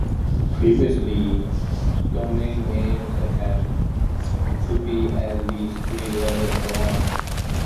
Previously, domain names had to be at least three letters long.